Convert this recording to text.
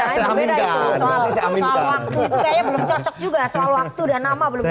soal waktu dan nama belum cocok